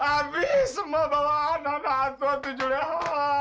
habis semua bawaan anak anak tua itu juleha